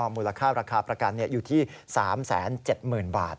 มูลค่าระการอยู่ที่๓๗๐๐๐๐บาท